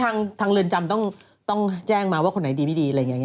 ทางเรือนจำต้องแจ้งมาว่าคนไหนดีไม่ดีอะไรอย่างนี้